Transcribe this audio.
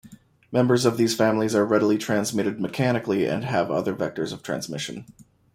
Members of these families are readily transmitted mechanically and have other vectors of transmission.